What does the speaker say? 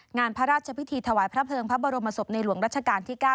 งานพระราชพิธีถวายพระเภิงพระบรมศพในหลวงรัชกาลที่๙